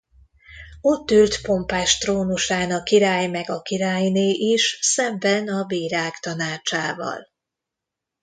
Ott ült pompás trónusán a király meg a királyné is, szemben a bírák tanácsával.